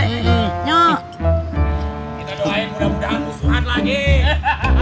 kita doain mudah mudahan musuhan lagi